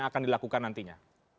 apa yang akan dilakukan nantinya